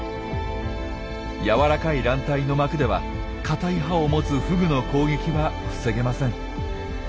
やわらかい卵帯の膜では硬い歯を持つフグの攻撃は防げません。